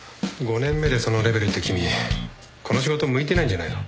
５年目でそのレベルって君この仕事向いてないんじゃないの？